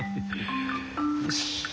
よし。